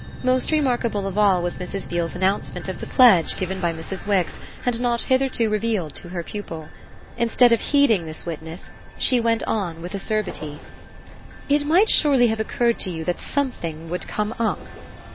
Most remarkable of all was Mrs. Beale's announcement of the pledge given by Mrs. Wix and not hitherto revealed to her pupil. Instead of heeding this witness she went on with acerbity: "It might surely have occurred to you that something would come up."